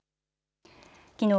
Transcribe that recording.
きのう